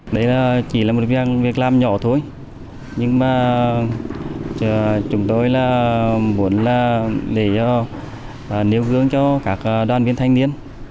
đấy chỉ là một việc làm nhỏ thôi nhưng mà chúng tôi là muốn để nêu gương cho các đoàn viên thanh niên